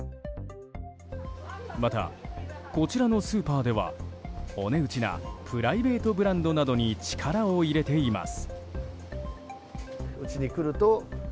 また、こちらのスーパーではお値打ちなプライベートブランドなどに力を入れています。